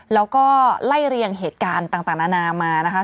แล้วก็ไล่เรียงเหตุการณ์ต่างนานามานะคะ